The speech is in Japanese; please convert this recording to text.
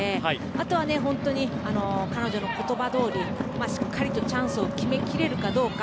あとは、彼女の言葉どおりしっかりとチャンスを決めきれるかどうか。